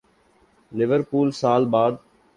Liverpool سال بعد